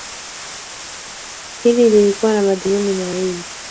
Hili lilikuwa na madhumuni mawili.